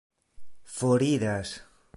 foriras